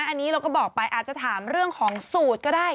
อันนี้เราก็บอกไปอาจจะถามเรื่องของสูตรก็ได้